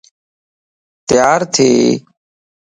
تيار ٿي